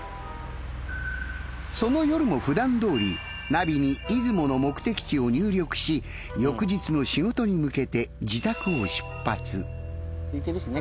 その夜もふだんどおりナビに出雲の目的地を入力し翌日の仕事に向けてすいてるしね